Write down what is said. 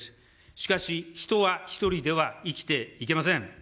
しかし、人は１人では生きていけません。